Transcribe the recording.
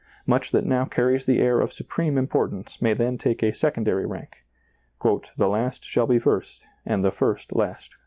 Much that now car ries the air of supreme importance may then take a secondary rank ;" the last shall be first, and the first last."